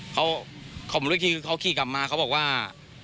เขาบางทีเขาขี่กลับมาเขาบอกว่า